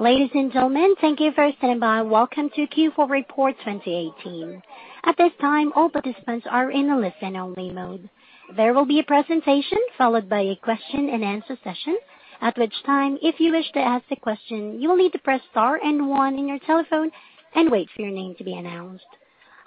Ladies and gentlemen, thank you for standing by. Welcome to Q4 Report 2018. At this time, all participants are in a listen-only mode. There will be a presentation, followed by a question-and-answer session. At which time, if you wish to ask a question, you will need to press star and one in your telephone and wait for your name to be announced.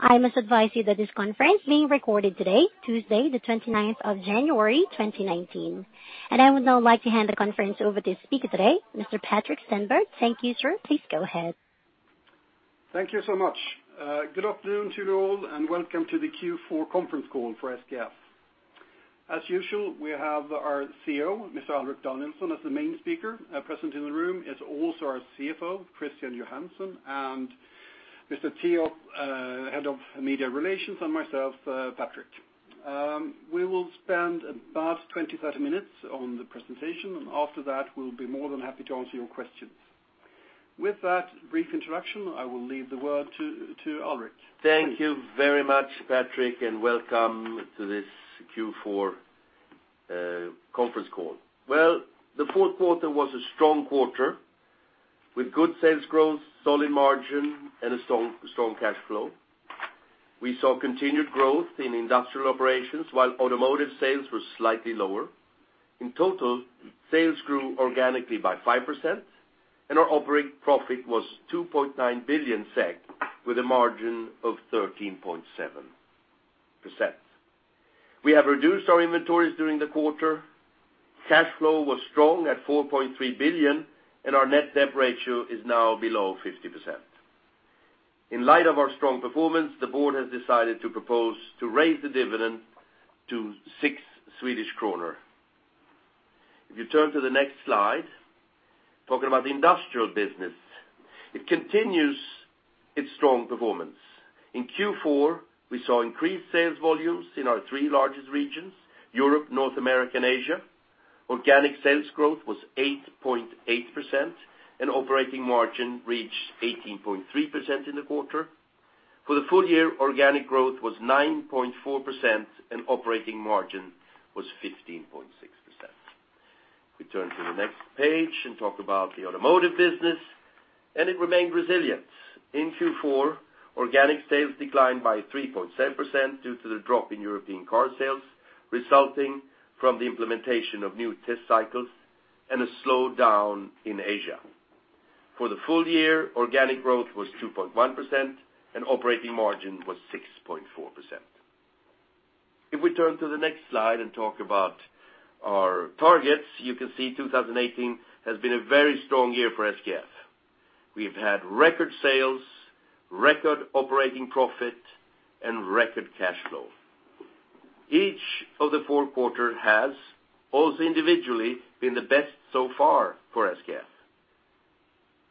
I must advise you that this conference is being recorded today, Tuesday the 29th of January 2019. I would now like to hand the conference over to the speaker today, Mr. Patrik Stenberg. Thank you, sir. Please go ahead. Thank you so much. Good afternoon to you all, and welcome to the Q4 conference call for SKF. As usual, we have our CEO, Mr. Alrik Danielson, as the main speaker. Present in the room is also our CFO, Christian Johansson, and Mr. Theo, Head of Media Relations, and myself, Patrik. We'll spend about 20, 30 minutes on the presentation. After that, we'll be more than happy to answer your questions. With that brief introduction, I will leave the word to Alrik. Thank you very much, Patrik, Welcome to this Q4 conference call. Well, the fourth quarter was a strong quarter with good sales growth, solid margin, and a strong cash flow. We saw continued growth in industrial operations while automotive sales were slightly lower. In total, sales grew organically by 5%, and our operating profit was 2.9 billion SEK, with a margin of 13.7%. We have reduced our inventories during the quarter. Cash flow was strong at 4.3 billion, and our net debt ratio is now below 50%. In light of our strong performance, the board has decided to propose to raise the dividend to six Swedish kronor. If you turn to the next slide, talking about the industrial business, it continues its strong performance. In Q4, we saw increased sales volumes in our three largest regions, Europe, North America, and Asia. Organic sales growth was 8.8%. Operating margin reached 18.3% in the quarter. For the full year, organic growth was 9.4%. Operating margin was 15.6%. If we turn to the next page, talk about the automotive business. It remained resilient. In Q4, organic sales declined by 3.7% due to the drop in European car sales, resulting from the implementation of new test cycles and a slowdown in Asia. For the full year, organic growth was 2.1%. Operating margin was 6.4%. If we turn to the next slide, talk about our targets, you can see 2018 has been a very strong year for SKF. We've had record sales, record operating profit, and record cash flow. Each of the four quarters has also individually been the best so far for SKF.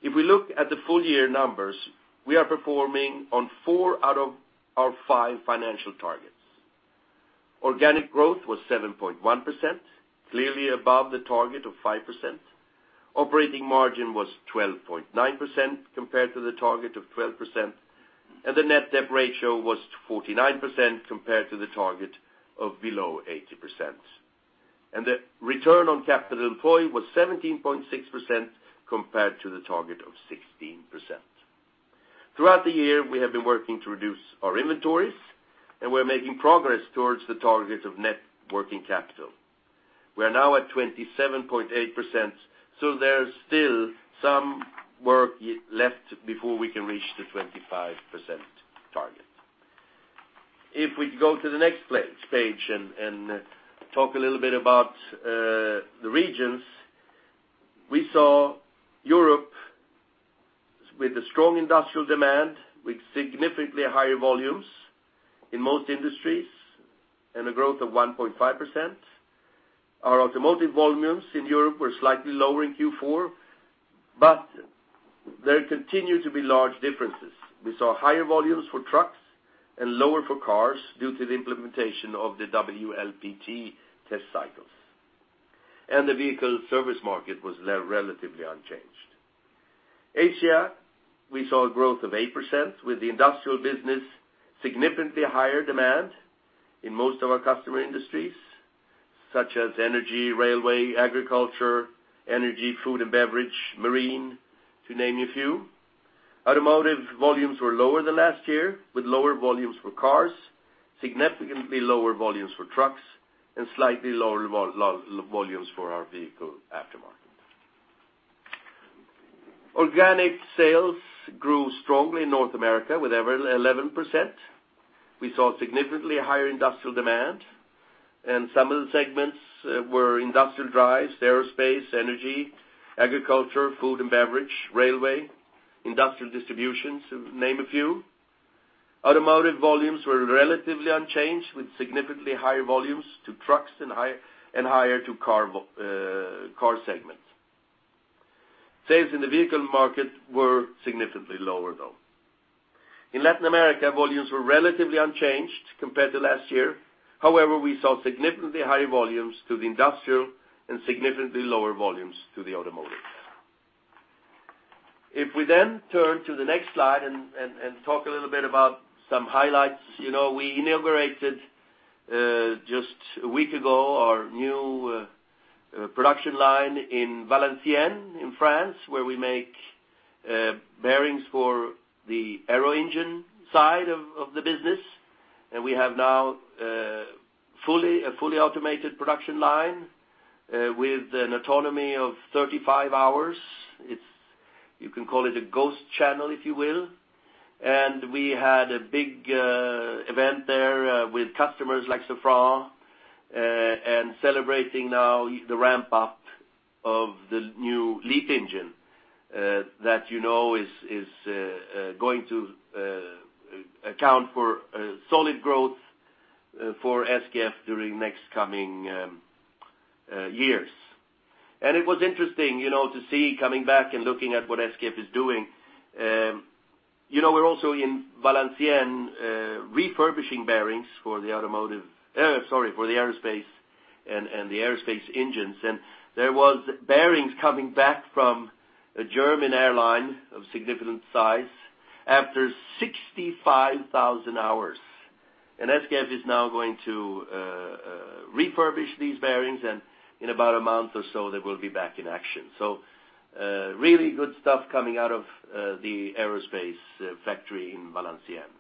If we look at the full-year numbers, we are performing on four out of our five financial targets. Organic growth was 7.1%, clearly above the target of 5%. Operating margin was 12.9% compared to the target of 12%. The net debt ratio was 49% compared to the target of below 80%. The return on capital employed was 17.6% compared to the target of 16%. Throughout the year, we have been working to reduce our inventories, and we're making progress towards the target of net working capital. We are now at 27.8%, so there's still some work left before we can reach the 25% target. If we go to the next page and talk a little bit about the regions, we saw Europe with a strong industrial demand, with significantly higher volumes in most industries and a growth of 1.5%. Our automotive volumes in Europe were slightly lower in Q4, but there continued to be large differences. We saw higher volumes for trucks and lower for cars due to the implementation of the WLTP test cycles. The Vehicle Service Market was relatively unchanged. Asia, we saw a growth of 8% with the industrial business, significantly higher demand in most of our customer industries, such as energy, railway, agriculture, energy, food and beverage, marine, to name a few. Automotive volumes were lower than last year, with lower volumes for cars, significantly lower volumes for trucks, and slightly lower volumes for our vehicle aftermarket. Organic sales grew strongly in North America with 11%. We saw significantly higher industrial demand, and some of the segments were industrial drives, aerospace, energy, agriculture, food and beverage, railway, industrial distributions, to name a few. Automotive volumes were relatively unchanged, with significantly higher volumes to trucks and higher to car segments. Sales in the vehicle market were significantly lower, though. In Latin America, volumes were relatively unchanged compared to last year. However, we saw significantly higher volumes to the industrial and significantly lower volumes to the automotive. We then turn to the next slide and talk a little bit about some highlights. We inaugurated just a week ago, our new production line in Valenciennes, in France, where we make bearings for the aero-engine side of the business. We have now a fully automated production line with an autonomy of 35 hours. You can call it a ghost channel, if you will. We had a big event there with customers like Safran, and celebrating now the ramp-up of the new LEAP engine, that you know is going to account for solid growth for SKF during next coming years. It was interesting to see, coming back and looking at what SKF is doing. We're also, in Valenciennes, refurbishing bearings for the aerospace and the aerospace engines. There was bearings coming back from a German airline of significant size after 65,000 hours. SKF is now going to refurbish these bearings, and in about a month or so, they will be back in action. So really good stuff coming out of the aerospace factory in Valenciennes.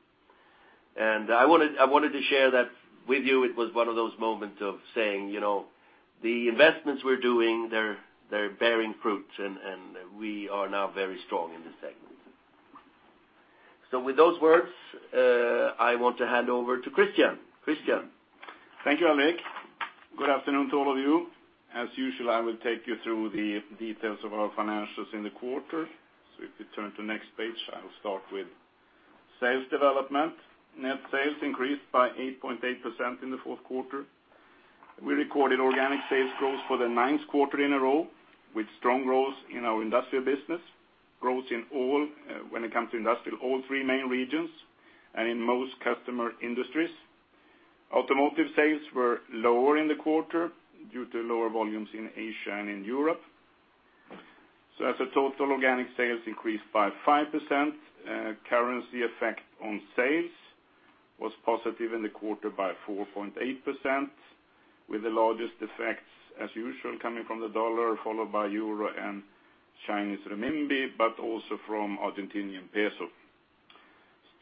I wanted to share that with you. It was one of those moments of saying, the investments we're doing, they're bearing fruit, and we are now very strong in this segment. With those words, I want to hand over to Christian. Christian? Thank you, Alrik. Good afternoon to all of you. As usual, I will take you through the details of our financials in the quarter. If we turn to next page, I will start with sales development. Net sales increased by 8.8% in the fourth quarter. We recorded organic sales growth for the ninth quarter in a row, with strong growth in our industrial business. Growth in all, when it comes to industrial, all three main regions, and in most customer industries. Automotive sales were lower in the quarter due to lower volumes in Asia and in Europe. As a total, organic sales increased by 5%. Currency effect on sales was positive in the quarter by 4.8%, with the largest effects, as usual, coming from the dollar, followed by euro and Chinese renminbi, but also from Argentinian peso.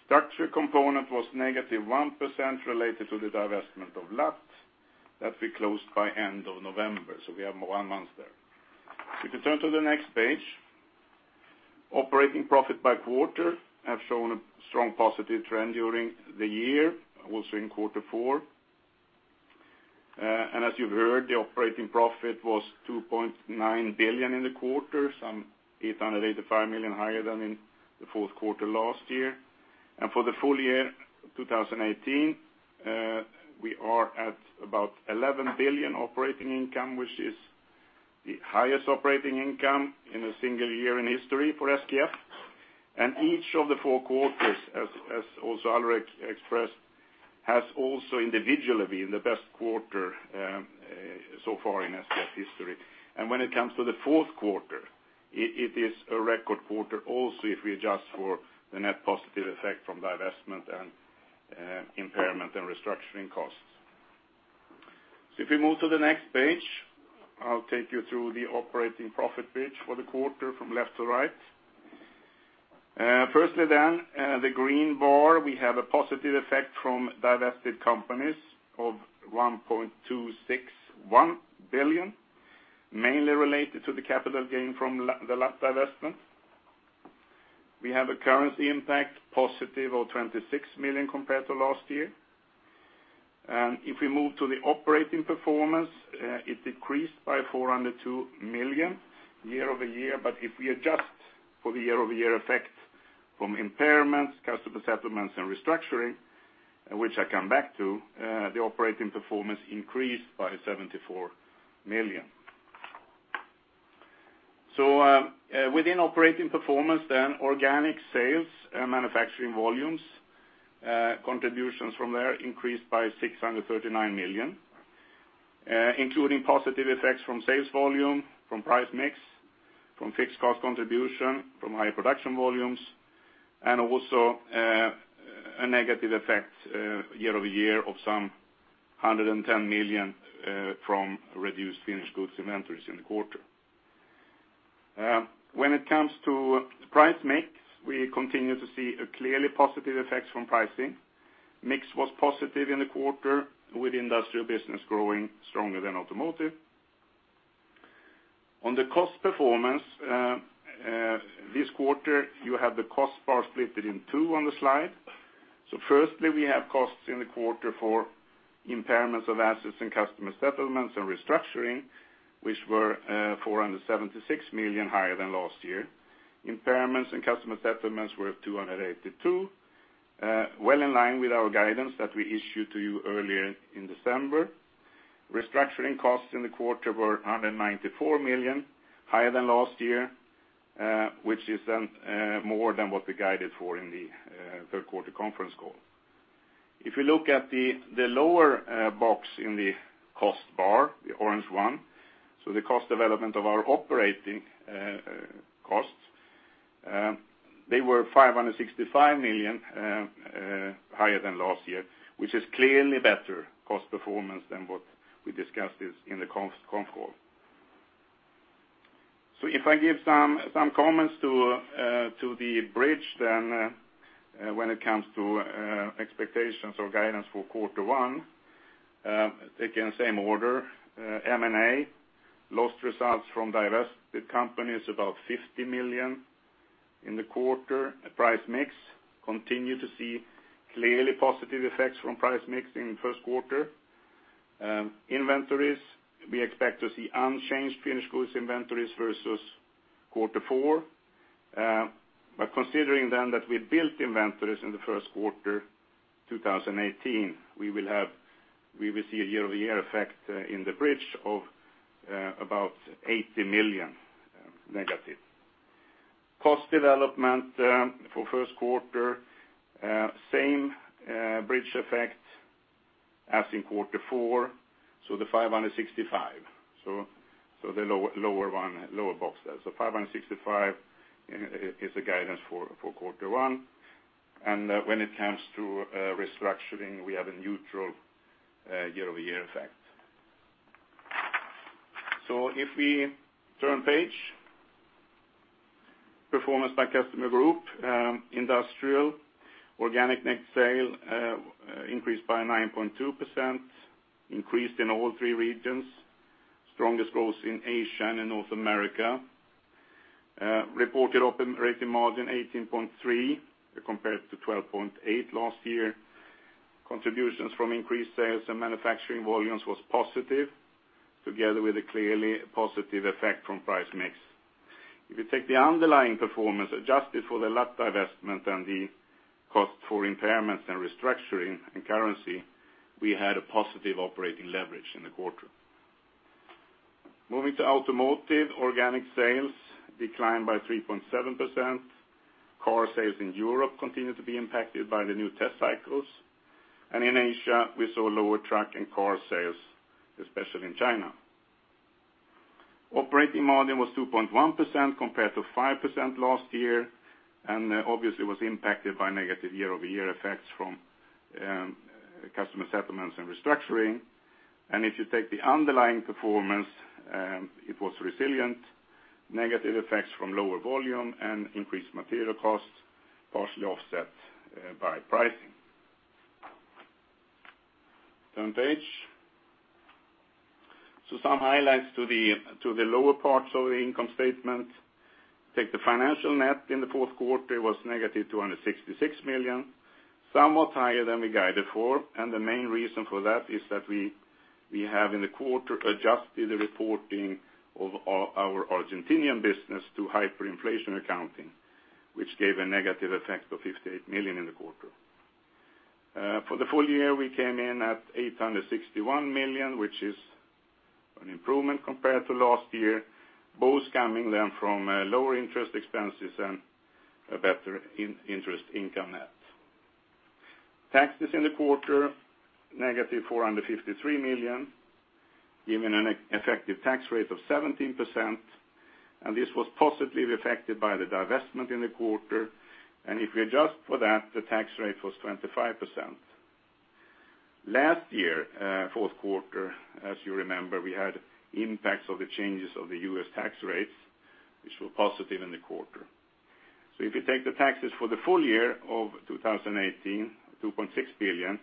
Structure component was -1% related to the divestment of L&AT that we closed by end of November. We have one month there. If you turn to the next page, operating profit by quarter have shown a strong positive trend during the year, also in quarter four. As you've heard, the operating profit was 2.9 billion in the quarter, some 885 million higher than in the fourth quarter last year. For the full year 2018, we are at about 11 billion operating income, which is the highest operating income in a single year in history for SKF. Each of the four quarters, as also Alrik expressed, has also individually been the best quarter so far in SKF history. When it comes to the fourth quarter, it is a record quarter also if we adjust for the net positive effect from divestment, and impairment, and restructuring costs. If we move to the next page, I'll take you through the operating profit page for the quarter from left to right. Firstly then, the green bar, we have a positive effect from divested companies of 1.261 billion, mainly related to the capital gain from the L&AT divestment. We have a currency impact positive of 26 million compared to last year. If we move to the operating performance, it decreased by 402 million year-over-year. But if we adjust for the year-over-year effect from impairments, customer settlements, and restructuring, which I come back to, the operating performance increased by 74 million. Within operating performance, organic sales, manufacturing volumes, contributions from there increased by 639 million, including positive effects from sales volume, from price mix, from fixed cost contribution, from higher production volumes, and also a negative effect year-over-year of some 110 million from reduced finished goods inventories in the quarter. When it comes to price mix, we continue to see a clearly positive effect from pricing. Mix was positive in the quarter with Industrial business growing stronger than Automotive. The cost performance, this quarter, you have the cost bar split in two on the slide. Firstly, we have costs in the quarter for impairments of assets and customer settlements and restructuring, which were 476 million higher than last year. Impairments and customer settlements were 282, well in line with our guidance that we issued to you earlier in December. Restructuring costs in the quarter were 194 million, higher than last year, which is more than what we guided for in the third quarter conference call. The lower box in the cost bar, the orange one, the cost development of our operating costs, they were 565 million higher than last year, which is clearly better cost performance than what we discussed in the conf call. If I give some comments to the bridge when it comes to expectations or guidance for quarter one, again, same order. M&A, lost results from divested companies, about 50 million in the quarter. Price mix, continue to see clearly positive effects from price mix in the first quarter. Inventories, we expect to see unchanged finished goods inventories versus quarter four. Considering that we built inventories in the first quarter 2018, we will see a year-over-year effect in the bridge of about 80 million negative. Cost development for first quarter, same bridge effect as in quarter four, the 565. The lower box there. 565 is the guidance for quarter one. When it comes to restructuring, we have a neutral year-over-year effect. If we turn page, performance by customer group. Industrial, organic net sale increased by 9.2%, increased in all three regions. Strongest growth in Asia and North America. Reported operating margin 18.3% compared to 12.8% last year. Contributions from increased sales and manufacturing volumes was positive, together with a clearly positive effect from price mix. If you take the underlying performance adjusted for the L&AT divestment and the cost for impairments and restructuring and currency, we had a positive operating leverage in the quarter. Moving to Automotive, organic sales declined by 3.7%. Car sales in Europe continue to be impacted by the new test cycles. In Asia, we saw lower truck and car sales, especially in China. Operating margin was 2.1% compared to 5% last year, obviously was impacted by negative year-over-year effects from customer settlements and restructuring. If you take the underlying performance, it was resilient. Negative effects from lower volume and increased material costs partially offset by pricing. Turn page. Some highlights to the lower parts of the income statement. The financial net in the fourth quarter was -266 million, somewhat higher than we guided for, the main reason for that is that we have in the quarter adjusted the reporting of our Argentinian business to hyperinflation accounting, which gave a negative effect of 58 million in the quarter. For the full year, we came in at 861 million, which is an improvement compared to last year, both coming then from lower interest expenses and a better interest income net. Taxes in the quarter, -453 million, giving an effective tax rate of 17%, and this was positively affected by the divestment in the quarter. If we adjust for that, the tax rate was 25%. Last year, fourth quarter, as you remember, we had impacts of the changes of the U.S. tax rates, which were positive in the quarter. If you take the taxes for the full year of 2018, 2.6 billion,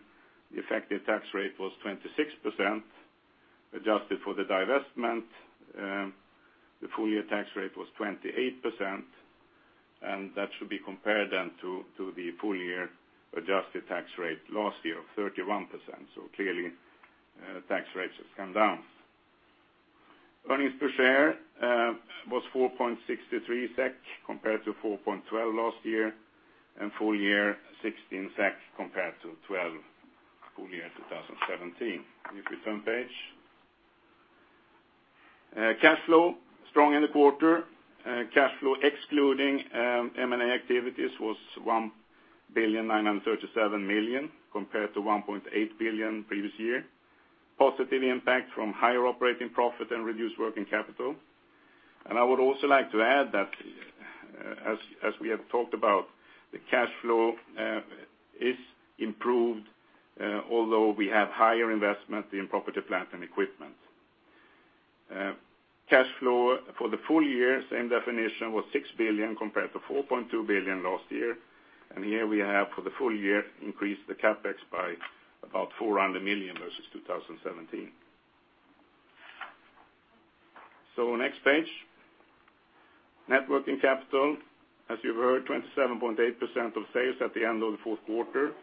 the effective tax rate was 26%. Adjusted for the divestment, the full-year tax rate was 28%, and that should be compared then to the full-year adjusted tax rate last year of 31%. Clearly, tax rates have come down. Earnings per share was 4.63 SEK compared to 4.12 last year, and full year 16 SEK compared to 12 full year 2017. Cash flow, strong in the quarter. Cash flow excluding M&A activities was 1.937 billion compared to 1.8 billion previous year. Positive impact from higher operating profit and reduced working capital. I would also like to add that, as we have talked about, the cash flow is improved, although we have higher investment in property, plant, and equipment. Cash flow for the full year, same definition, was 6 billion compared to 4.2 billion last year. Here we have for the full year increased the CapEx by about 400 million versus 2017. Next page. Net working capital, as you've heard, 27.8% of sales at the end of the fourth quarter,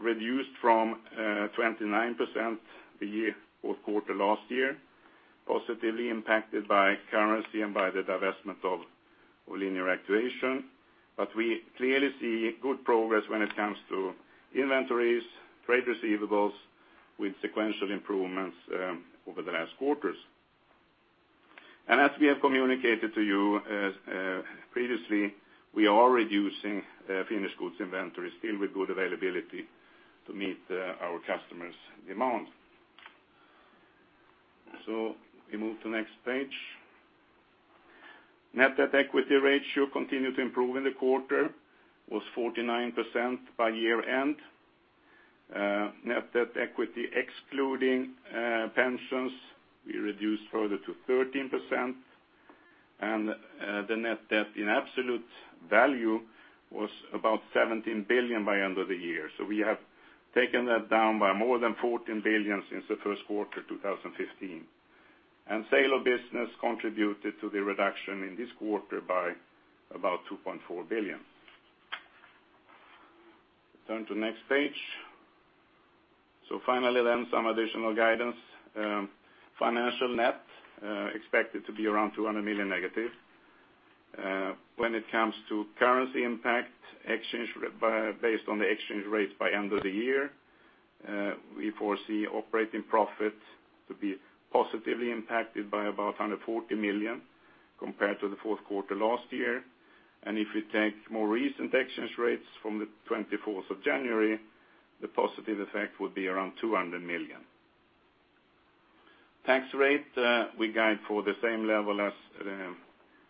reduced from 29% the fourth quarter last year. Positively impacted by currency and by the divestment of Linear Actuation. We clearly see good progress when it comes to inventories, trade receivables with sequential improvements over the last quarters. As we have communicated to you previously, we are reducing finished goods inventory, still with good availability to meet our customers' demand. We move to next page. Net debt equity ratio continued to improve in the quarter, was 49% by year-end. Net debt equity, excluding pensions, we reduced further to 13%, and the net debt in absolute value was about 17 billion by end of the year. We have taken that down by more than 14 billion since the first quarter 2015. Sale of business contributed to the reduction in this quarter by about 2.4 billion. Turn to next page. Finally, then, some additional guidance. Financial net expected to be around 200 million negative. When it comes to currency impact, based on the exchange rates by end of the year, we foresee operating profit to be positively impacted by about 140 million compared to the fourth quarter last year. If we take more recent exchange rates from the 24th of January, the positive effect would be around 200 million. Tax rate, we guide for the same level as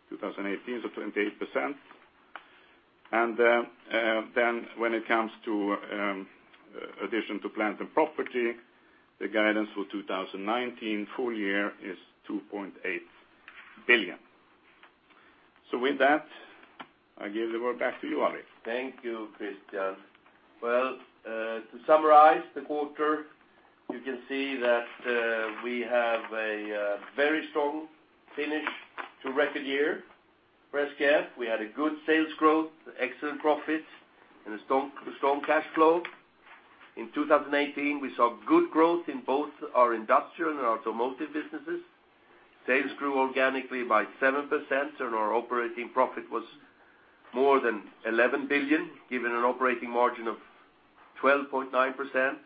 2018, so 28%. When it comes to addition to plant and property, the guidance for 2019 full year is 2.8 billion. With that, I give the word back to you, Alrik. Thank you, Christian. Well, to summarize the quarter, you can see that we have a very strong finish to record year for SKF. We had a good sales growth, excellent profits, and a strong cash flow. In 2018, we saw good growth in both our industrial and automotive businesses. Sales grew organically by 7%, and our operating profit was more than 11 billion, giving an operating margin of 12.9%.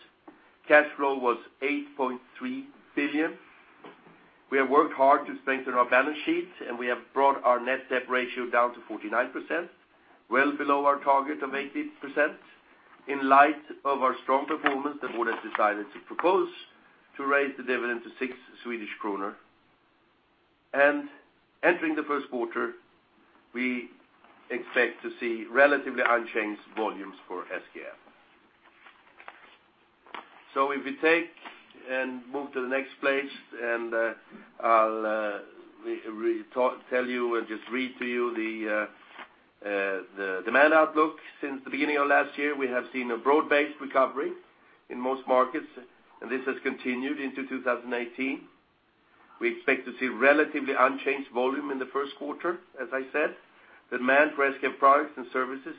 Cash flow was 8.3 billion. We have worked hard to strengthen our balance sheet, and we have brought our net debt ratio down to 49%, well below our target of 80%. In light of our strong performance, the board has decided to propose to raise the dividend to six Swedish kronor. Entering the first quarter, we expect to see relatively unchanged volumes for SKF. If we take and move to the next page, and I'll tell you, and just read to you the demand outlook. Since the beginning of last year, we have seen a broad-based recovery in most markets, and this has continued into 2018. We expect to see relatively unchanged volume in the first quarter, as I said. Demand for SKF products and services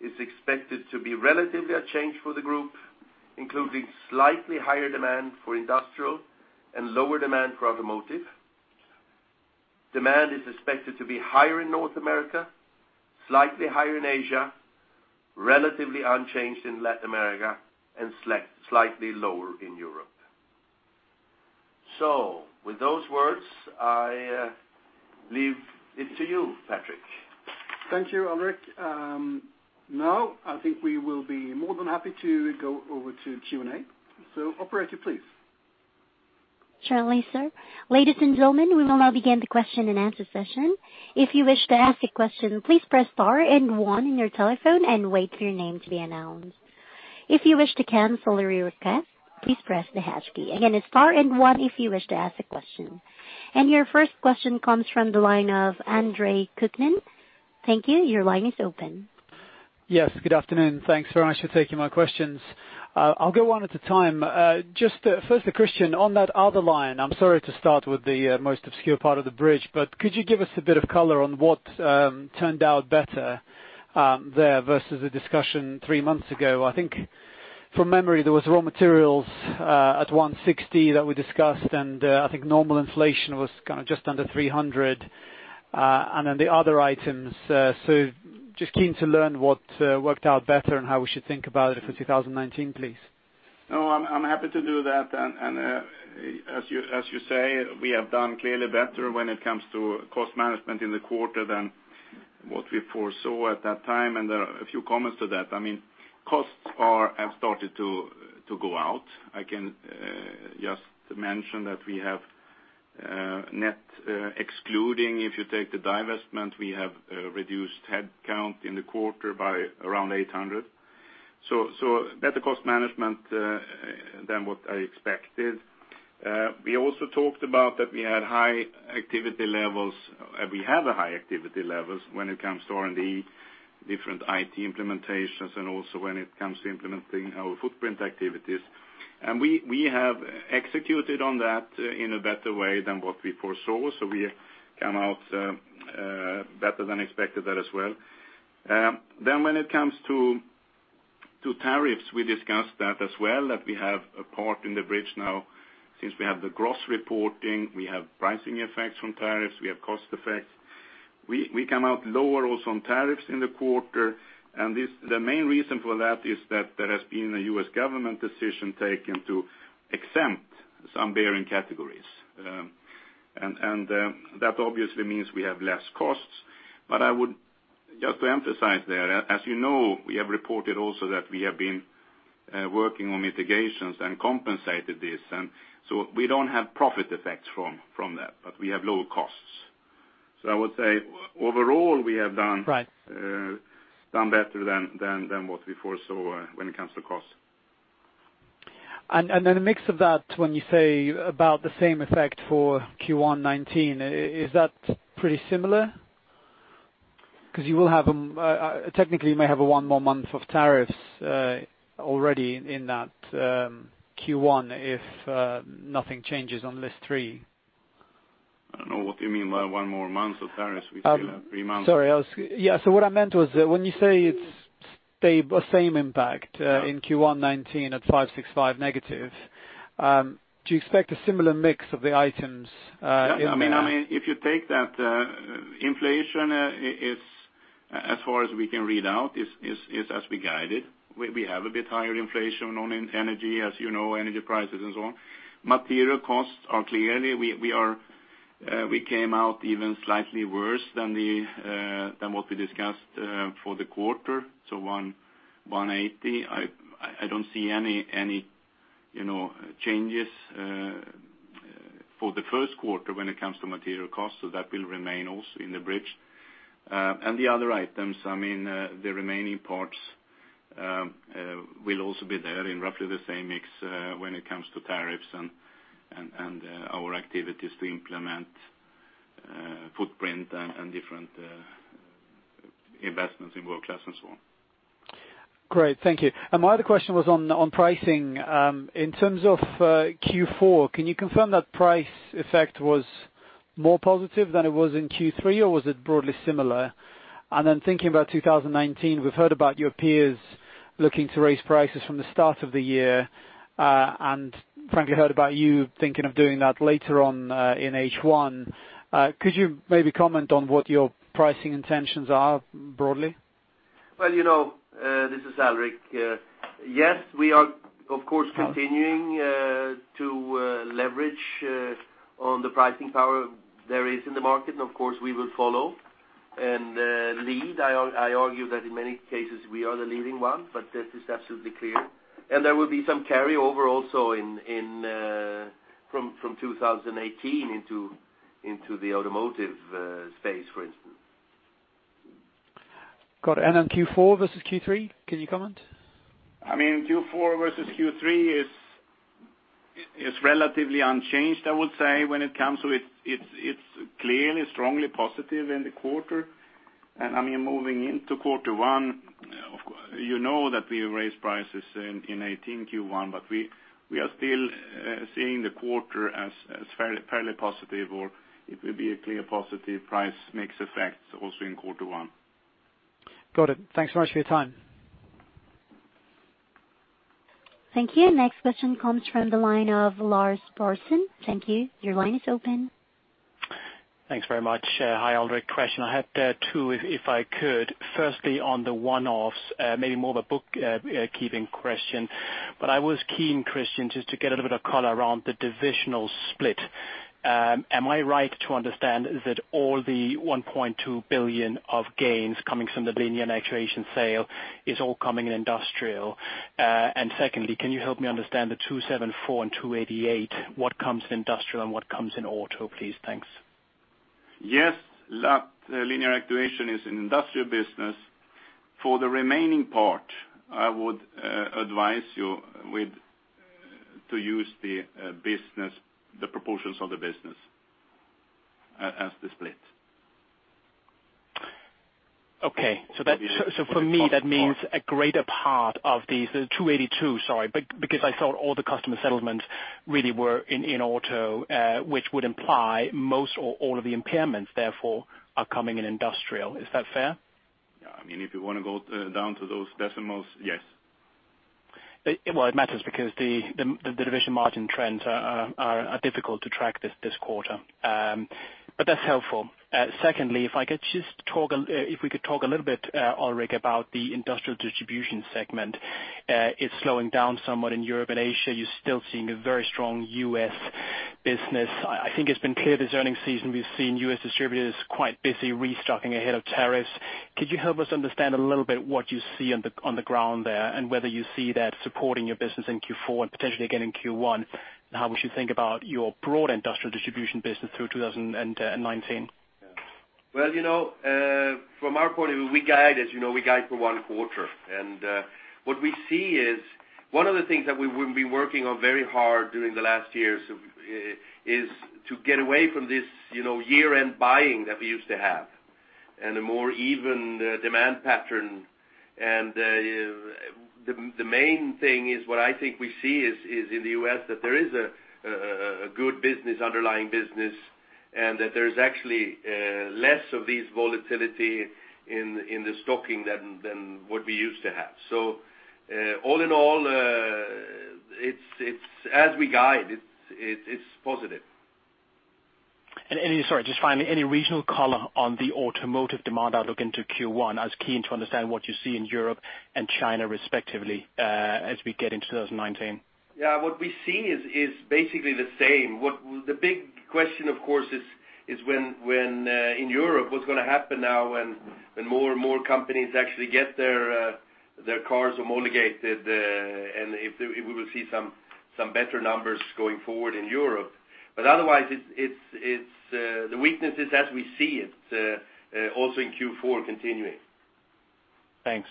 is expected to be relatively unchanged for the group, including slightly higher demand for industrial and lower demand for automotive. Demand is expected to be higher in North America, slightly higher in Asia, relatively unchanged in Latin America, and slightly lower in Europe. With those words, I leave it to you, Patrick. Thank you, Alrik. Now, I think we will be more than happy to go over to Q&A. Operator, please. Surely, sir. Ladies and gentlemen, we will now begin the question-and-answer session. If you wish to ask a question, please press star and one on your telephone and wait for your name to be announced. If you wish to cancel a request, please press the hash key. Again, it's star and one if you wish to ask a question. Your first question comes from the line of Andre Kukhnin. Thank you. Your line is open. Yes. Good afternoon. Thanks very much for taking my questions. I'll go one at a time. Just firstly, Christian, on that other line, I'm sorry to start with the most obscure part of the bridge, could you give us a bit of color on what turned out better there versus the discussion three months ago? I think from memory, there was raw materials at 160 that we discussed, I think normal inflation was kind of just under 300, and then the other items. Just keen to learn what worked out better and how we should think about it for 2019, please. No, I'm happy to do that. As you say, we have done clearly better when it comes to cost management in the quarter than what we foresaw at that time. A few comments to that. Costs have started to go out. I can just mention that we have, excluding, if you take the divestment, we have reduced headcount in the quarter by around 800. Better cost management than what I expected. We also talked about that we had high activity levels, we have a high activity levels when it comes to R&D, different IT implementations, and also when it comes to implementing our footprint activities. We have executed on that in a better way than what we foresaw. We came out better than expected there as well. When it comes to tariffs, we discussed that as well, that we have a part in the bridge now. Since we have the gross reporting, we have pricing effects from tariffs, we have cost effects. We came out lower also on tariffs in the quarter, the main reason for that is that there has been a U.S. government decision taken to exempt some bearing categories. That obviously means we have less costs. Just to emphasize there, as you know, we have reported also that we have been working on mitigations and compensated this. We don't have profit effects from that, but we have lower costs. I would say overall, we have done. Right We have done better than what we foresaw when it comes to cost. In the mix of that, when you say about the same effect for Q1 2019, is that pretty similar? Because technically, you may have a one more month of tariffs already in that Q1 if nothing changes on list three. I don't know what you mean by one more month of tariffs. We still have three months. Sorry. Yeah, what I meant was when you say it's the same impact. Yeah In Q1 2019 at 565 negative, do you expect a similar mix of the items in there? If you take that inflation, as far as we can read out, is as we guided. We have a bit higher inflation on energy, as you know, energy prices and so on. We came out even slightly worse than what we discussed for the quarter, so 180. I don't see any changes for the first quarter when it comes to material costs. That will remain also in the bridge. The other items, the remaining parts will also be there in roughly the same mix when it comes to tariffs and our activities to implement footprint and different investments in world-class and so on. Great. Thank you. My other question was on pricing. In terms of Q4, can you confirm that price effect was more positive than it was in Q3, or was it broadly similar? Thinking about 2019, we've heard about your peers looking to raise prices from the start of the year, and frankly, heard about you thinking of doing that later on in H1. Could you maybe comment on what your pricing intentions are broadly? Well, this is Alrik. Yes, we are, of course, continuing to leverage on the pricing power there is in the market, and of course, we will follow and lead. I argue that in many cases we are the leading one, but this is absolutely clear. There will be some carryover also from 2018 into the automotive space, for instance. Got it. On Q4 versus Q3, can you comment? Q4 versus Q3 is relatively unchanged, I would say. It is clearly strongly positive in the quarter. Moving into quarter one, you know that we raised prices in 2018 Q1, we are still seeing the quarter as fairly positive, it will be a clear positive price mix effect also in quarter one. Got it. Thanks so much for your time. Thank you. Next question comes from the line of Klas Bergelind. Thank you. Your line is open. Thanks very much. Hi, Alrik. Question, I had two, if I could. Firstly, on the one-offs, maybe more of a bookkeeping question, I was keen, Christian, just to get a little bit of color around the divisional split. Am I right to understand that all the 1.2 billion of gains coming from the Linear Actuation sale is all coming in industrial? Secondly, can you help me understand the 274 and 288, what comes in industrial and what comes in auto, please? Thanks. Yes, Linear Actuation is an industrial business. For the remaining part, I would advise you to use the proportions of the business as the split. Okay. For me, that means a greater part of the 282, sorry, because I thought all the customer settlements really were in Auto, which would imply most or all of the impairments therefore are coming in industrial. Is that fair? Yeah. If you want to go down to those decimals, yes. Well, it matters because the division margin trends are difficult to track this quarter. That's helpful. Secondly, if we could talk a little bit, Alrik, about the industrial distribution segment. It's slowing down somewhat in Europe and Asia. You're still seeing a very strong U.S. business. I think it's been clear this earning season, we've seen U.S. distributors quite busy restocking ahead of tariffs. Could you help us understand a little bit what you see on the ground there, and whether you see that supporting your business in Q4 and potentially again in Q1, and how we should think about your broad industrial distribution business through 2019? Well, from our point of view, we guide. As you know, we guide for one quarter. What we see is one of the things that we've been working on very hard during the last years is to get away from this year-end buying that we used to have, and a more even demand pattern. The main thing is what I think we see is in the U.S. that there is a good underlying business, and that there's actually less of this volatility in the stocking than what we used to have. All in all. As we guide, it's positive. Any, sorry, just finally, any regional color on the automotive demand outlook into Q1? I was keen to understand what you see in Europe and China respectively, as we get into 2019. Yeah. What we see is basically the same. The big question, of course, is when in Europe, what's going to happen now when more and more companies actually get their cars homologated, and if we will see some better numbers going forward in Europe. Otherwise, the weakness is as we see it, also in Q4 continuing. Thanks.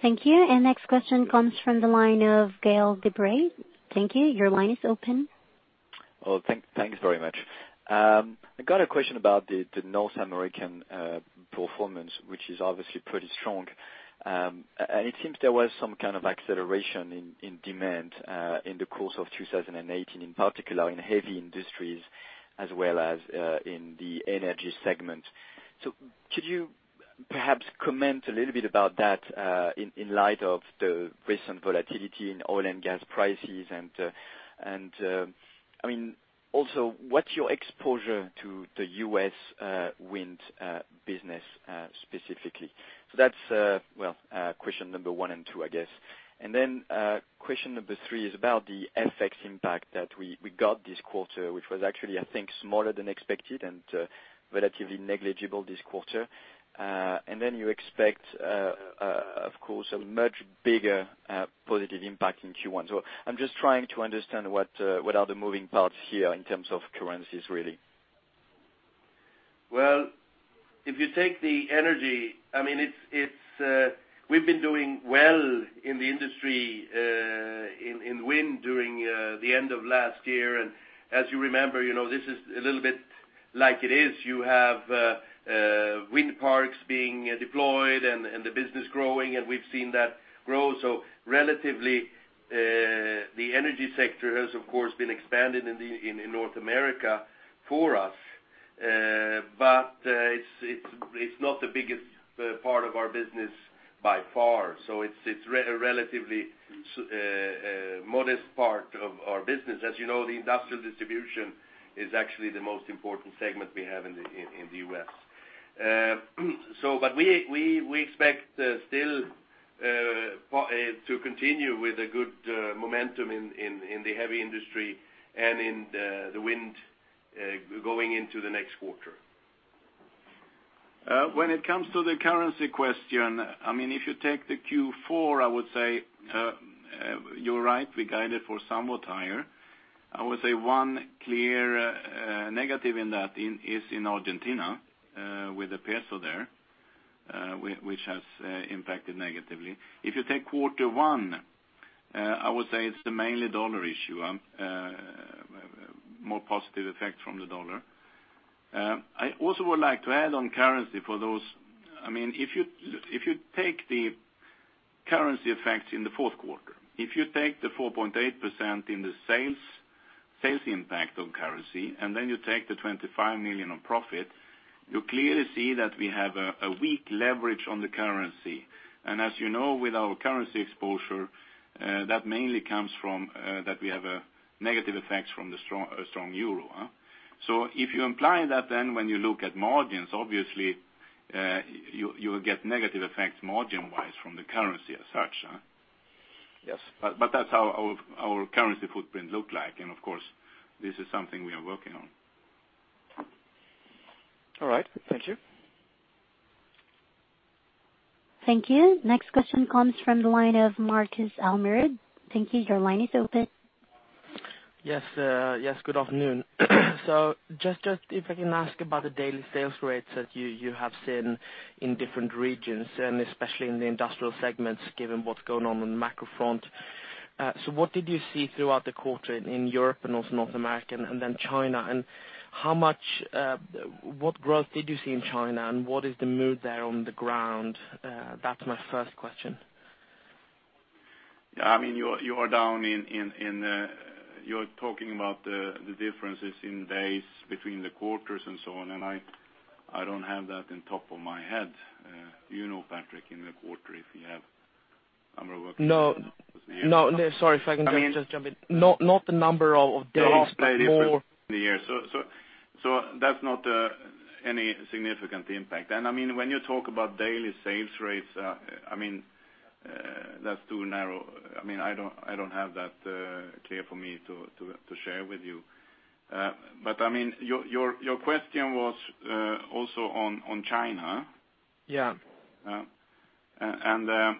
Thank you. Next question comes from the line of Gael de-Bray. Thank you. Your line is open. Well, thanks very much. I got a question about the North American performance, which is obviously pretty strong. It seems there was some kind of acceleration in demand, in the course of 2018, in particular in heavy industries as well as, in the energy segment. Could you perhaps comment a little bit about that, in light of the recent volatility in oil and gas prices and, I mean, also, what's your exposure to the U.S. wind business, specifically? That's, well, question number one and two, I guess. Then, question number three is about the FX impact that we got this quarter, which was actually, I think, smaller than expected and relatively negligible this quarter. You expect, of course, a much bigger positive impact in Q1. I'm just trying to understand what are the moving parts here in terms of currencies really. Well, if you take the energy, I mean, we've been doing well in the industry, in wind during the end of last year. As you remember, this is a little bit like it is. You have wind parks being deployed and the business growing, and we've seen that grow. Relatively, the energy sector has, of course, been expanded in North America for us. It's not the biggest part of our business by far. It's a relatively modest part of our business. As you know, the industrial distribution is actually the most important segment we have in the U.S. We expect still to continue with a good momentum in the heavy industry and in the wind, going into the next quarter. When it comes to the currency question, I mean, if you take the Q4, I would say, you're right, we guided for somewhat higher. I would say one clear negative in that is in Argentina, with the Argentinian peso there, which has impacted negatively. If you take Q1, I would say it's the mainly USD issue, more positive effect from the dollar. I also would like to add on currency for those. If you take the currency effects in the fourth quarter, if you take the 4.8% in the sales impact on currency, then you take the 25 million on profit, you clearly see that we have a weak leverage on the currency. As you know, with our currency exposure, that mainly comes from that we have a negative effect from the strong EUR. If you imply that, then when you look at margins, obviously, you will get negative effects margin-wise from the currency as such. Yes. But that's how our currency footprint look like. Of course, this is something we are working on. All right. Thank you. Thank you. Next question comes from the line of Max Almerud. Thank you. Your line is open. Yes. Good afternoon. Just if I can ask about the daily sales rates that you have seen in different regions, especially in the industrial segments, given what's going on on the macro front. What did you see throughout the quarter in Europe and also North America and then China? What growth did you see in China, and what is the mood there on the ground? That's my first question. Yeah. You are talking about the differences in days between the quarters and so on, and I don't have that in top of my head. Do you know, Patrik, in the quarter if you have number of- No. Sorry if I can just jump in. I mean. Not the number of days, but more. That's not any significant impact. When you talk about daily sales rates, that's too narrow. I don't have that clear for me to share with you. Your question was also on China. Yeah. In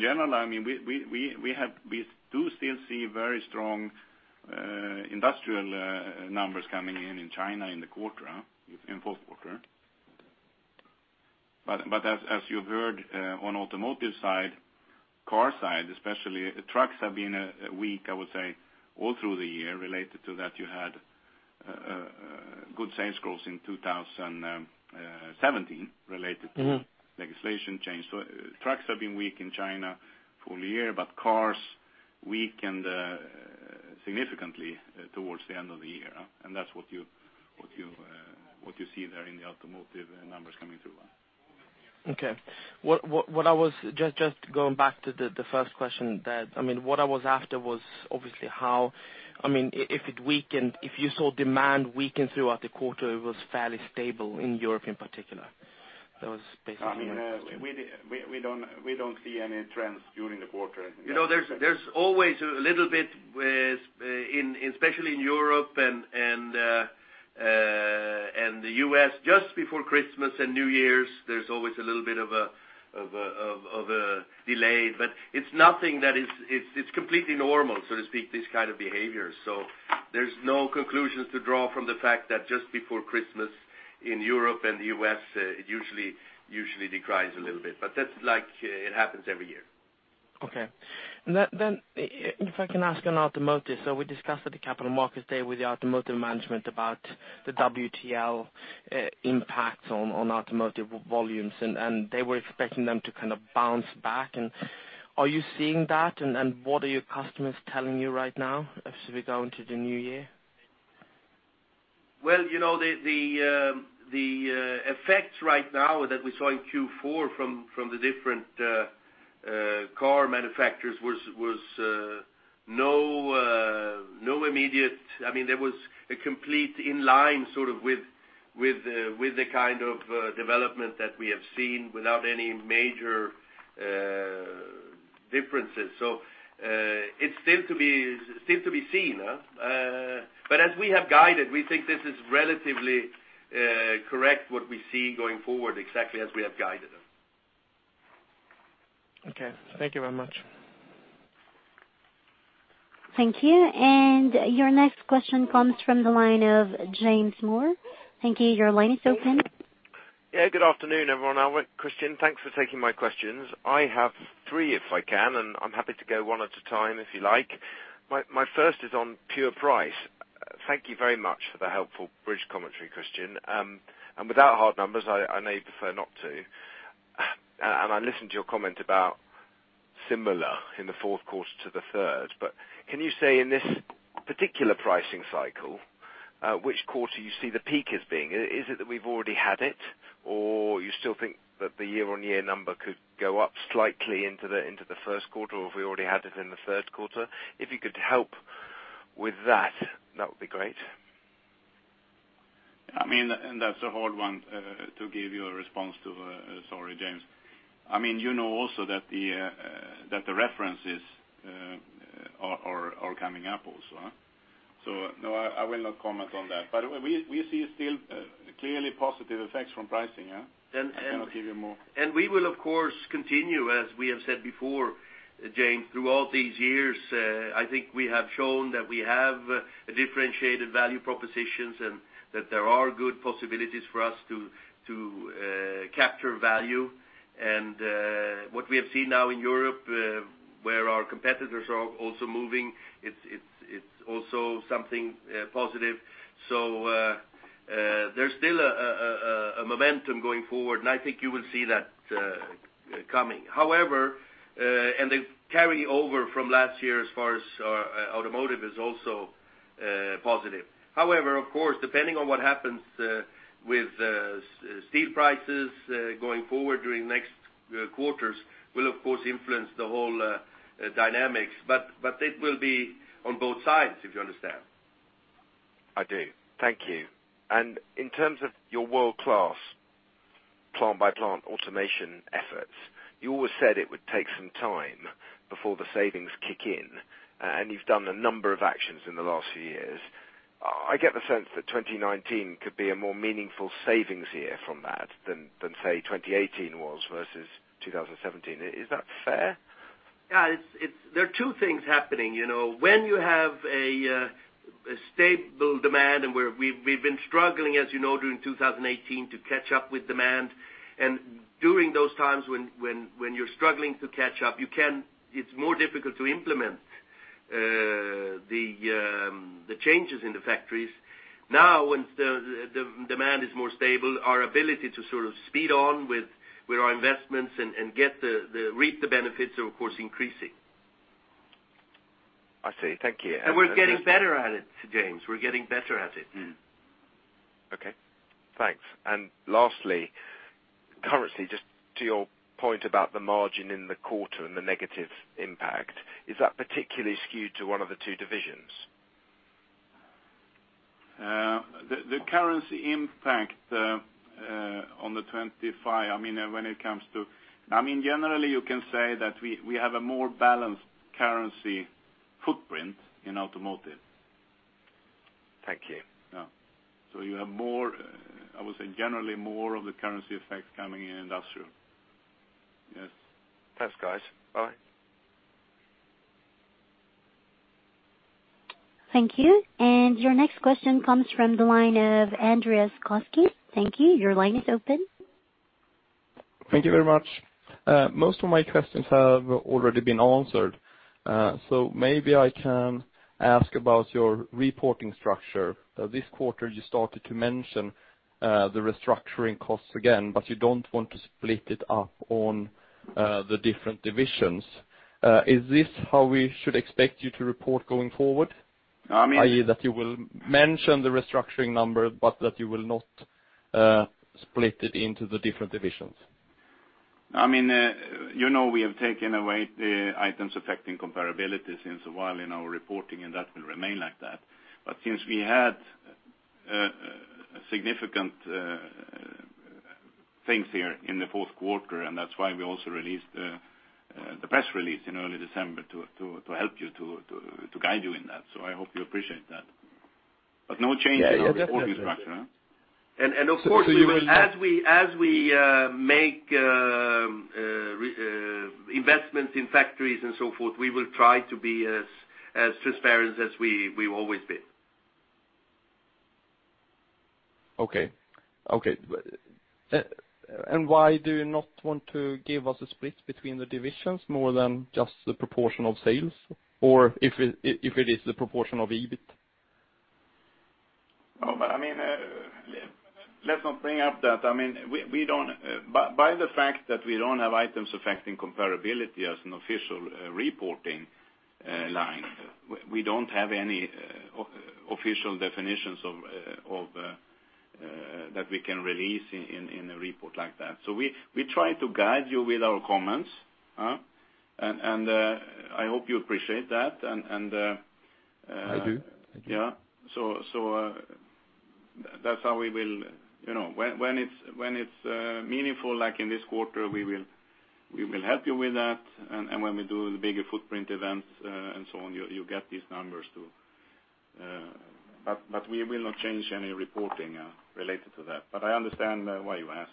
general, we do still see very strong industrial numbers coming in in China in the quarter, in fourth quarter. As you heard on automotive side, car side especially, trucks have been weak, I would say, all through the year. Related to that you had good sales growth in 2017 related to legislation change. Trucks have been weak in China full year, but cars weak and Significantly towards the end of the year. That's what you see there in the automotive numbers coming through. Okay. Just going back to the first question, what I was after was obviously, if you saw demand weaken throughout the quarter, it was fairly stable in Europe in particular. That was basically my question. We don't see any trends during the quarter. There's always a little bit, especially in Europe and the U.S., just before Christmas and New Year's, there's always a little bit of a delay. It's completely normal, so to speak, this kind of behavior. There's no conclusions to draw from the fact that just before Christmas in Europe and the U.S., it usually declines a little bit, but that happens every year. Okay. If I can ask on automotive. We discussed at the Capital Markets Day with the automotive management about the WLTP impacts on automotive volumes, and they were expecting them to bounce back. Are you seeing that, and what are your customers telling you right now as we go into the new year? Well, the effects right now that we saw in Q4 from the different car manufacturers. There was a complete in line sort of with the kind of development that we have seen without any major differences. It's still to be seen. As we have guided, we think this is relatively correct, what we see going forward, exactly as we have guided. Okay. Thank you very much. Thank you. Your next question comes from the line of James Moore. Thank you. Your line is open. Good afternoon, everyone. Christian, thanks for taking my questions. I have three, if I can, I'm happy to go one at a time if you like. My first is on pure price. Thank you very much for the helpful bridge commentary, Christian. Without hard numbers, I know you prefer not to. I listened to your comment about similar in the fourth quarter to the third, but can you say in this particular pricing cycle, which quarter you see the peak as being? Is it that we've already had it, or you still think that the year-on-year number could go up slightly into the first quarter, or have we already had it in the third quarter? If you could help with that would be great. That's a hard one to give you a response to. Sorry, James. You know also that the references are coming up also. No, I will not comment on that. We see still clearly positive effects from pricing. I cannot give you more. We will, of course, continue, as we have said before, James, through all these years. I think we have shown that we have differentiated value propositions and that there are good possibilities for us to capture value. What we have seen now in Europe, where our competitors are also moving, it is also something positive. There is still a momentum going forward, and I think you will see that coming. The carryover from last year as far as automotive is also positive. However, of course, depending on what happens with steel prices going forward during next quarters will of course influence the whole dynamics, but it will be on both sides, if you understand. I do. Thank you. In terms of your world-class plant-by-plant automation efforts, you always said it would take some time before the savings kick in, and you have done a number of actions in the last few years. I get the sense that 2019 could be a more meaningful savings year from that than, say, 2018 was versus 2017. Is that fair? Yeah. There are two things happening. When you have a stable demand, we've been struggling, as you know, during 2018 to catch up with demand. During those times when you're struggling to catch up, it's more difficult to implement the changes in the factories. Now, when the demand is more stable, our ability to sort of speed on with our investments and reap the benefits are, of course, increasing. I see. Thank you. We're getting better at it, James. We're getting better at it. Okay. Thanks. Lastly, currency, just to your point about the margin in the quarter and the negative impact, is that particularly skewed to one of the two divisions? The currency impact on the 25. Generally, you can say that we have a more balanced currency footprint in automotive. Thank you. Yeah. You have more, I would say, generally more of the currency effects coming in industrial. Yes. Thanks, guys. Bye. Thank you. Your next question comes from the line of Andreas Koski. Thank you. Your line is open. Thank you very much. Most of my questions have already been answered. Maybe I can ask about your reporting structure. This quarter, you started to mention the restructuring costs again, but you don't want to split it up on the different divisions. Is this how we should expect you to report going forward? I mean. That you will mention the restructuring number, but that you will not. Split it into the different divisions. You know we have taken away the items affecting comparability since a while in our reporting, and that will remain like that. Since we had significant things here in the fourth quarter, that's why we also released the press release in early December to help you, to guide you in that. I hope you appreciate that. No change in our reporting structure, huh? Of course, As we make investments in factories and so forth, we will try to be as transparent as we've always been. Okay. Why do you not want to give us a split between the divisions more than just the proportion of sales, or if it is the proportion of EBIT? Let's not bring up that. By the fact that we don't have items affecting comparability as an official reporting line, we don't have any official definitions that we can release in a report like that. We try to guide you with our comments, and I hope you appreciate that. I do. Yeah. When it's meaningful like in this quarter, we will help you with that, and when we do the bigger footprint events and so on, you'll get these numbers too. We will not change any reporting related to that. I understand why you ask.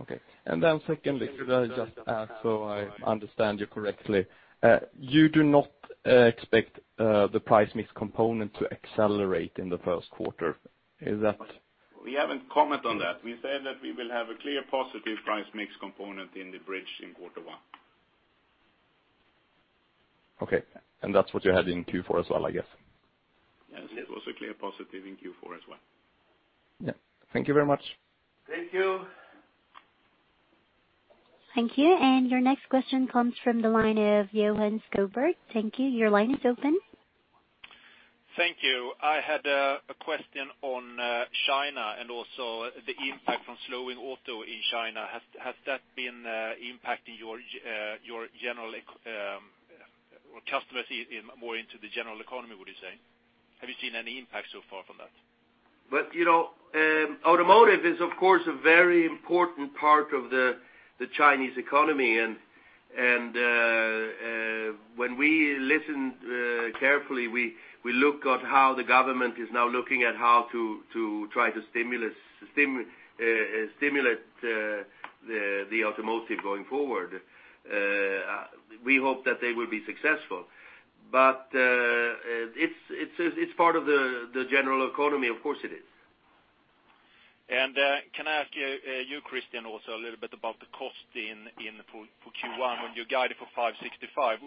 Okay. Secondly, can I just add so I understand you correctly. You do not expect the price mix component to accelerate in the first quarter, is that? We haven't comment on that. We said that we will have a clear positive price mix component in the bridge in quarter one. Okay. That's what you had in Q4 as well, I guess. Yes, it was a clear positive in Q4 as well. Yes. Thank you very much. Thank you. Thank you. Your next question comes from the line of Johan Sjöberg. Thank you. Your line is open. Thank you. I had a question on China and also the impact from slowing auto in China. Has that been impacting your customers more into the general economy, would you say? Have you seen any impact so far from that? Automotive is, of course, a very important part of the Chinese economy. When we listen carefully, we look at how the government is now looking at how to try to stimulate the automotive going forward. We hope that they will be successful. It's part of the general economy, of course it is. Can I ask you, Christian, also a little bit about the cost for Q1 when you guided for 565?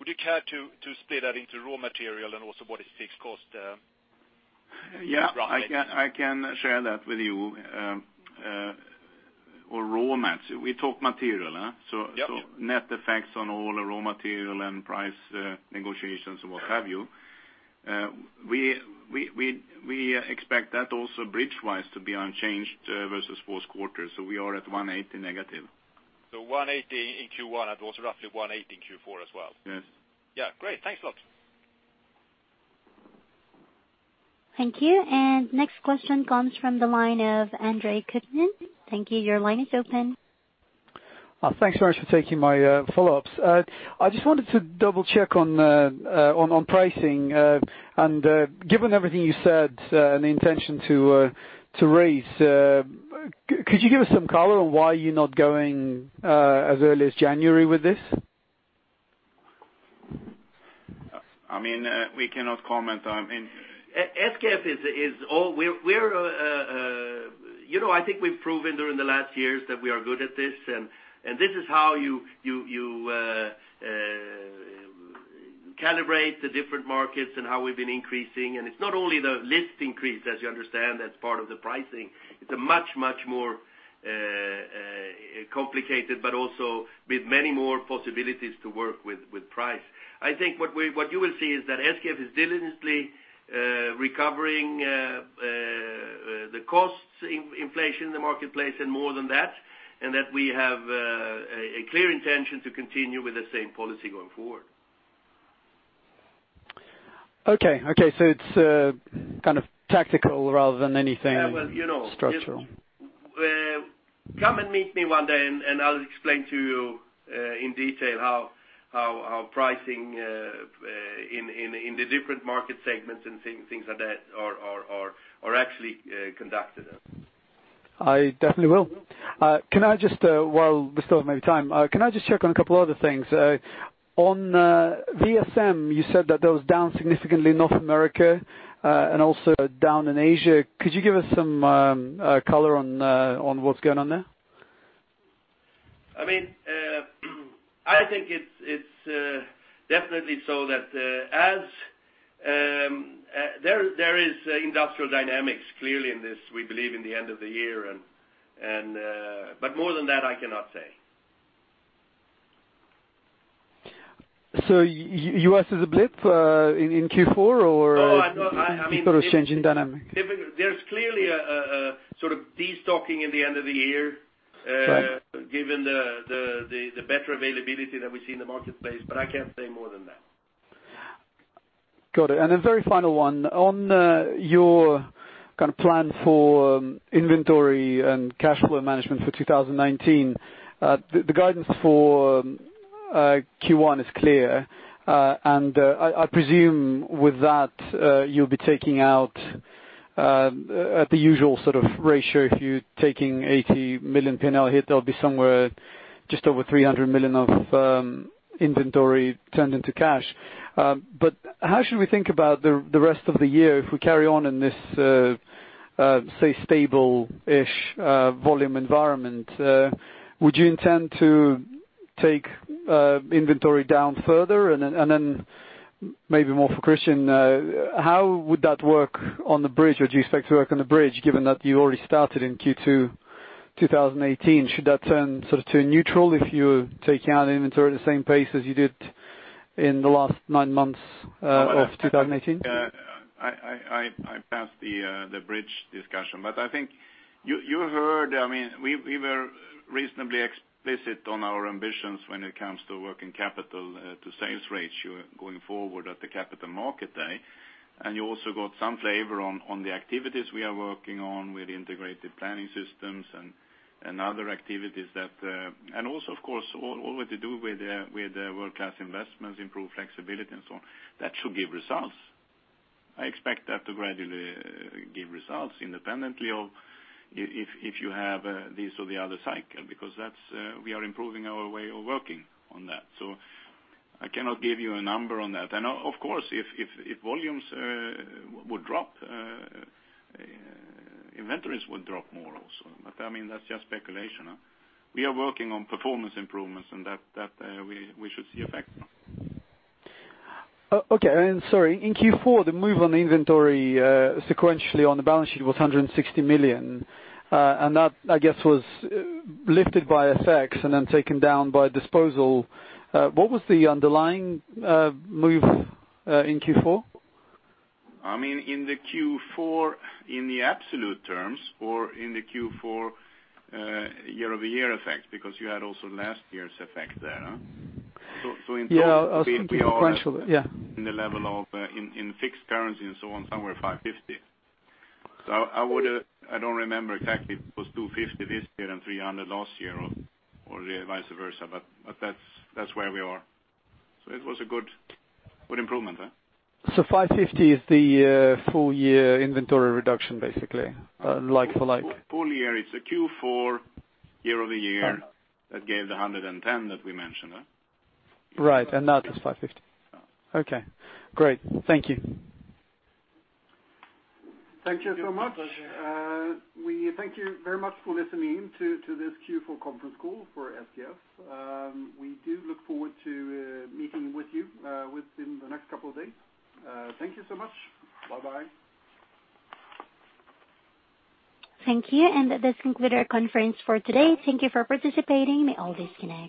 Would you care to split that into raw material and also what is fixed cost roughly? Yeah, I can share that with you. Raw mats, we talk material. Yep. Net effects on all raw material and price negotiations and what have you. We expect that also bridge-wise to be unchanged versus fourth quarter, we are at 180 negative. 180 in Q1 and was roughly 180 Q4 as well. Yes. Yeah, great. Thanks a lot. Thank you. Next question comes from the line of Andre Kukhnin. Thank you. Your line is open. Thanks very much for taking my follow-ups. I just wanted to double check on pricing. Given everything you said, and the intention to raise, could you give us some color on why you're not going as early as January with this? We cannot comment on. SKF, I think we've proven during the last years that we are good at this, and this is how you calibrate the different markets and how we've been increasing. It's not only the list increase, as you understand, that's part of the pricing. It's a much, much more complicated, but also with many more possibilities to work with price. I think what you will see is that SKF is diligently recovering the costs inflation in the marketplace and more than that, and that we have a clear intention to continue with the same policy going forward. Okay. It's kind of tactical rather than anything structural. Come and meet me one day, I'll explain to you in detail how pricing in the different market segments and things like that are actually conducted. I definitely will. While we still have maybe time, can I just check on a couple other things? On VSM, you said that that was down significantly in North America, also down in Asia. Could you give us some color on what's going on there? I think it's definitely so that there is industrial dynamics clearly in this, we believe in the end of the year, more than that, I cannot say. U.S. is a blip in Q4 or- No, I mean- it's got a change in dynamic There's clearly a sort of de-stocking in the end of the year- Right Given the better availability that we see in the marketplace. I can't say more than that. Got it. Very final one. On your kind of plan for inventory and cash flow management for 2019, the guidance for Q1 is clear. I presume with that you'll be taking out at the usual sort of ratio if you're taking 80 million P&L hit, that'll be somewhere just over 300 million of inventory turned into cash. How should we think about the rest of the year if we carry on in this, say, stable-ish volume environment? Would you intend to take inventory down further? Then maybe more for Christian, how would that work on the bridge? Do you expect to work on the bridge given that you already started in Q2 2018? Should that turn sort of to neutral if you're taking out inventory at the same pace as you did in the last nine months of 2018? I pass the bridge discussion. I think you heard, we were reasonably explicit on our ambitions when it comes to working capital to sales ratio going forward at the Capital Markets Day. You also got some flavor on the activities we are working on with integrated planning systems and other activities that. Also, of course, all with to-do with world-class investments, improved flexibility and so on. That should give results. I expect that to gradually give results independently or if you have this or the other cycle, because that's we are improving our way of working on that. I cannot give you a number on that. Of course, if volumes would drop, inventories would drop more also. That's just speculation. We are working on performance improvements and that we should see effects. Okay. Sorry, in Q4, the move on the inventory sequentially on the balance sheet was 160 million. That, I guess, was lifted by FX and then taken down by disposal. What was the underlying move in Q4? In the Q4 in the absolute terms or in the Q4 year-over-year effect because you had also last year's effect there? Yeah. I was thinking sequentially. Yeah. In the level of in fixed currency and so on, somewhere 550. I don't remember exactly if it was 250 this year and 300 last year or vice versa. That's where we are. It was a good improvement. 550 is the full year inventory reduction, basically, like for like. Full year, it's the Q4 year-over-year that gave the 110 that we mentioned. Right. That is 550. Yeah. Okay, great. Thank you. Thank you so much. My pleasure. We thank you very much for listening to this Q4 conference call for SKF. We do look forward to meeting with you within the next couple of days. Thank you so much. Bye-bye. Thank you. This concludes our conference for today. Thank you for participating. You may all disconnect.